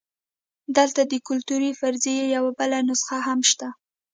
دلته د کلتوري فرضیې یوه بله نسخه هم شته.